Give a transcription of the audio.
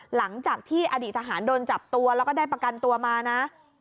หลังจากที่อดีตทหารโดนจับตัวแล้วก็ได้ประกันตัวมานะ